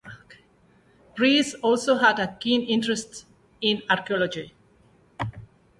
Rees also had a keen interest in archaeology.